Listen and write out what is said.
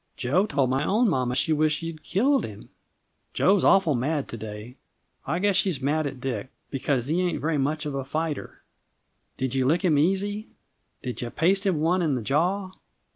Jo told my own mamma she wisht you'd killed him. Jo's awful mad to day. I guess she's mad at Dick, because he ain't very much of a fighter. Did you lick him easy? Did you paste him one in the jaw?"